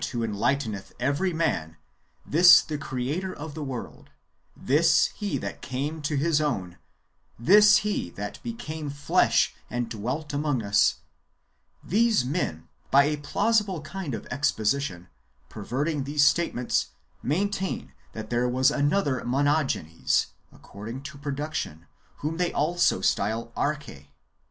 39 who enlighteneth every man, this the Creator of the world, this He that came to His own, this He that became flesh and dwelt among us, — these men, bj a plausible kind of exposition, perverting these statements, maintain that there was another Monogenes, according to production, whom they also style Arclie.